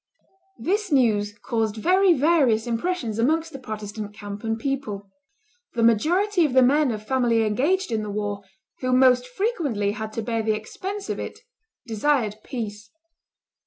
This news caused very various impressions amongst the Protestant camp and people. The majority of the men of family engaged in the war, who most frequently had to bear the expense of it, desired peace.